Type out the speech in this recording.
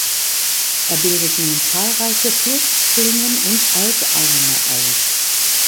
Er bildet nun zahlreiche Flussschlingen und Altarme aus.